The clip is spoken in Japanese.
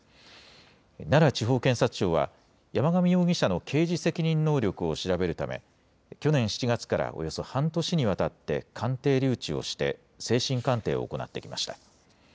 奈良地方検察庁は、山上容疑者の刑事責任能力を調べるため、去年７月からおよそ半年にわたって鑑定留置をして、精神鑑定を行ってきました。